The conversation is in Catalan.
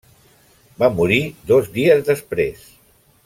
Va morir dos dies després.